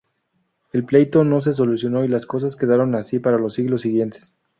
El pleito no se solucionó, y las cosas quedaron así para los siglos siguientes.